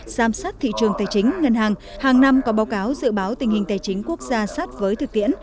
giám sát thị trường tài chính ngân hàng hàng năm có báo cáo dự báo tình hình tài chính quốc gia sát với thực tiễn